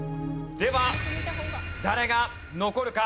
では誰が残るか。